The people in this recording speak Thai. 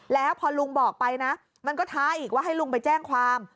แล้วพอลุงบอกไปนะมันก็ท้าอีกว่าให้ลุงไปแจ้งความ